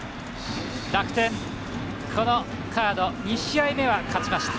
楽天、このカード２試合目は勝ちました。